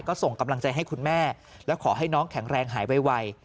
ก็ส่งกำลังใจให้คุณแม่และขอให้น้องแข็งแรงหายไว